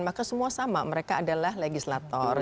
maka semua sama mereka adalah legislator